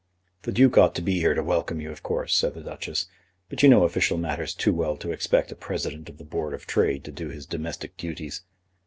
"The Duke ought to be here to welcome you, of course," said the Duchess; "but you know official matters too well to expect a President of the Board of Trade to do his domestic duties.